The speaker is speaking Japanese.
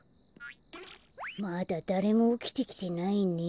まだだれもおきてきてないね。